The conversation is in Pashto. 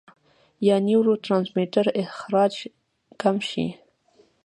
يا نيوروټرانسميټر اخراج کم شي -